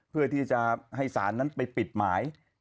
เพื่อที่จะให้ศาลนั้นไปปิดหมาย